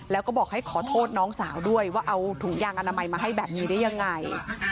แล้วก็บอกให้ขอโทษน้องสาวด้วยว่าเอาถุงยางอนามัยมาให้แบบนี้ได้ยังไง